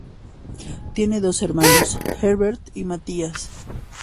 Tiene dos hermanos, Herbert y Matías.